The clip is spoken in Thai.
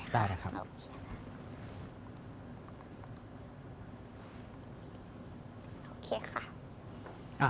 ได้ค่ะ